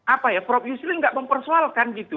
apa ya prof yusril nggak mempersoalkan gitu